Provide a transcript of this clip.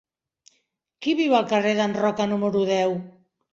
Qui viu al carrer d'en Roca número deu?